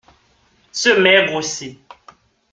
Ce maigre-ci.